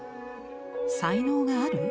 「才能がある？